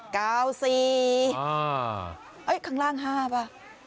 ข้างล่าง๕ป่ะ